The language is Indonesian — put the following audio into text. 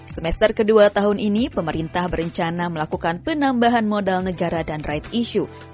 semester kedua tahun ini pemerintah berencana melakukan penambahan modal negara dan right issue